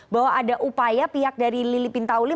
bahwa ada upaya pihak dari lili pintauli